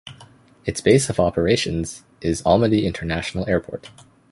Its base of operations is Almaty International Airport.